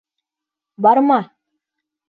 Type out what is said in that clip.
Барма!